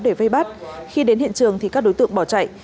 để vây bắt khi đến hiện trường thì các đối tượng bỏ chạy